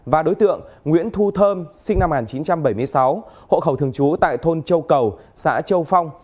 và đối tượng nguyễn thu thơm sinh năm một nghìn chín trăm bảy mươi sáu hộ khẩu thường trú tại thôn châu cầu xã châu phong